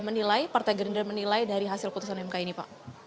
menilai partai gerindra menilai dari hasil putusan mk ini pak